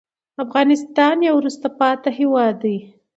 افغانستان يو وروسته پاتې هېواد دې